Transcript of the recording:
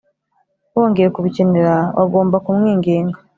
wongeye kubikenera, wagomba kumwinginga.